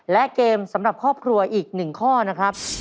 และเกมสำหรับครอบครัวอีก๑ข้อนะครับ